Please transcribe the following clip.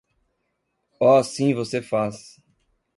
Oh sim você faz!